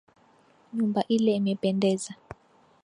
Nyumba ile imependeza